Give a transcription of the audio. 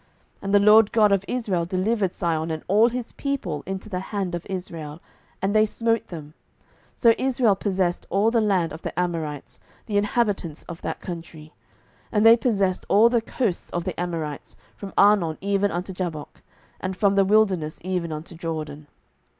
07:011:021 And the LORD God of Israel delivered Sihon and all his people into the hand of Israel, and they smote them: so Israel possessed all the land of the Amorites, the inhabitants of that country. 07:011:022 And they possessed all the coasts of the Amorites, from Arnon even unto Jabbok, and from the wilderness even unto Jordan.